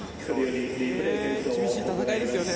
厳しい戦いですよね